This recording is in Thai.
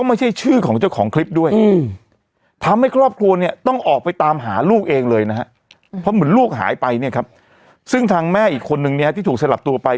เพราะเหมือนลูกหายไปเนี่ยครับซึ่งทางแม่อีกคนนึงเนี่ยที่ถูกสลับตัวไป